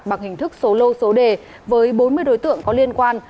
bằng hình thức số lô số đề với bốn mươi đối tượng có liên quan